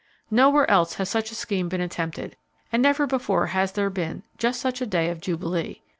Nowhere else has such a scheme been attempted, and never before has there been just such a day of jubilee.